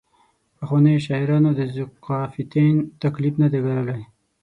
پخوانیو شاعرانو د ذوقافیتین تکلیف نه دی ګاللی.